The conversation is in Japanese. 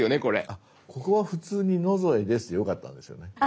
あっここは普通に「野添です」でよかったんですよね。